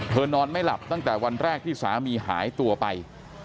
นอนไม่หลับตั้งแต่วันแรกที่สามีหายตัวไป